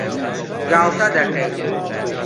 گاڵتە دەکەین.